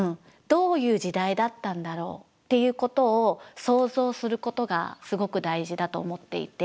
どういう時代だったんだろうっていうことを想像することがすごく大事だと思っていて。